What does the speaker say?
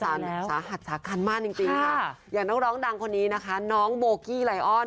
แล้วสาหัสสาขันมากจีบก็ยังร้องดังคนนี้นะคะน้องโมกี้ไลยออน